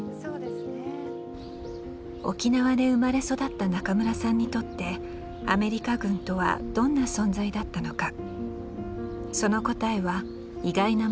沖縄で生まれ育った仲村さんにとってアメリカ軍とはどんな存在だったのか？